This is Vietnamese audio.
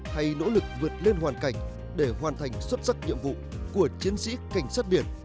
hay nỗ lực vượt lên hoàn cảnh để hoàn thành xuất sắc nhiệm vụ của chiến sĩ cảnh sát biển